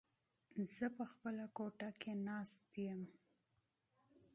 زه په خپله کمره کې ناست يم.